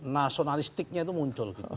nasionalistiknya itu muncul gitu